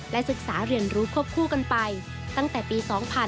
ศึกษาเรียนรู้ควบคู่กันไปตั้งแต่ปี๒๕๕๙